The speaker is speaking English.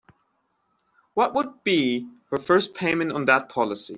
What would be her first payment on that policy?